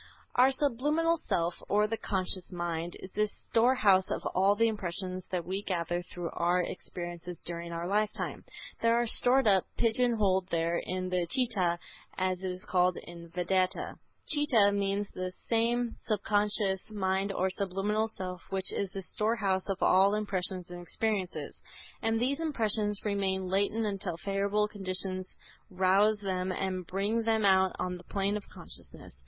Our subliminal self, or the subconscious mind, is the storehouse of all the impressions that we gather through our experiences during our lifetime. They are stored up, pigeon holed there, in the Chitta, as it is called in Vedanta. "Chitta" means the same subconscious mind or subliminal self which is the storehouse of all impressions and experiences. And these impressions remain latent until favorable conditions rouse them and bring them out on the plane of consciousness.